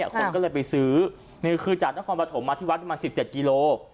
เขาเลยไปซื้อนี่คือจากนครปฐมมาที่วัดมัน๑๗กิโล